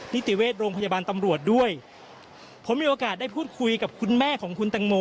นิติเวชโรงพยาบาลตำรวจด้วยผมมีโอกาสได้พูดคุยกับคุณแม่ของคุณตังโม